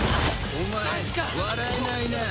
お前笑えないな。